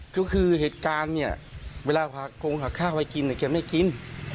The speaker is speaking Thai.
ก็คือเหตุการณ์เวลาขับข้าวไปกินเขาก็ไม่กิน